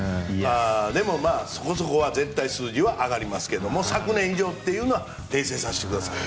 でも、そこそこは絶対数字は上がりますけど昨年以上というのは訂正させてください。